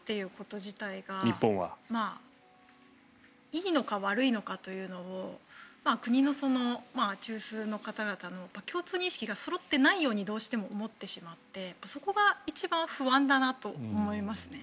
いいのか悪いのかというのを国の中枢の方々の共通認識がそろっていないようにどうしても思ってしまってそこが一番不安だなと思いますね。